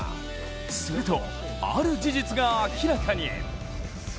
すると、ある事実が明らかに。